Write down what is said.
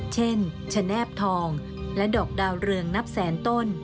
เช่นชะแนบทองและดอกดาวเรืองนับแสนต้น